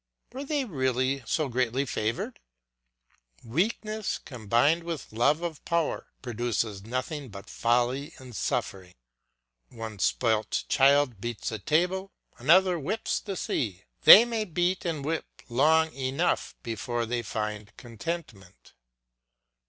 Were they really so greatly favoured? Weakness, combined with love of power, produces nothing but folly and suffering. One spoilt child beats the table; another whips the sea. They may beat and whip long enough before they find contentment.